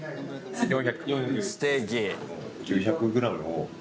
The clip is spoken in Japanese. ステーキ。